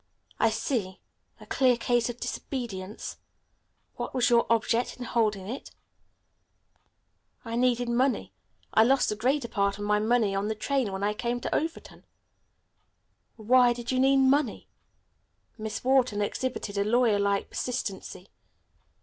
"I see; a clear case of disobedience. What was your object in holding it?" "I needed money. I lost the greater part of my money on the train when I came to Overton." "Why did you need money?" Miss Wharton exhibited a lawyer like persistency.